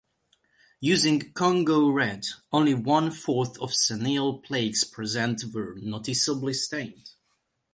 Using Congo red, only one-fourth of senile plaques present were noticeably stained.